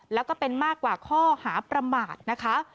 แล้วก็เป็นมากกว่าข้อหาประมาทนะคะ